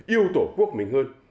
yêu tổ quốc mình hơn